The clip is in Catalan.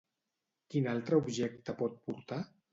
Quin altre objecte pot portar?